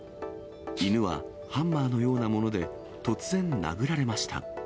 犬は、ハンマーのようなもので突然、殴られました。